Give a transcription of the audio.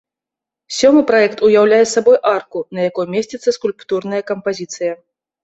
Сёмы праект уяўляе сабой арку, на якой месціцца скульптурная кампазіцыя.